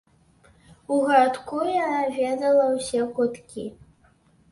У гарадку яна ведала ўсе куткі.